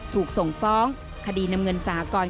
ถูกส่งฟ้องคดีนำเงินสหกรณ์